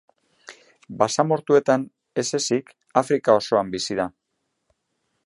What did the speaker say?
Basamortuetan ez ezik, Afrika osoan bizi da.